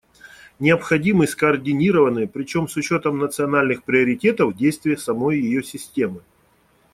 Необходимы скоординированные, причем с учетом национальных приоритетов, действия самой ее системы.